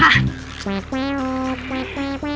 โอ๊ยหนูจะรีบไปไหนดีล่ะ